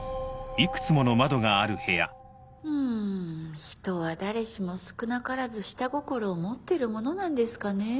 うん人は誰しも少なからず下心を持ってるものなんですかねぇ。